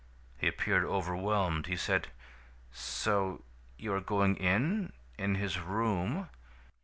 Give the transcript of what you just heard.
"He appeared overwhelmed. He said: "'So you are going in in his room?'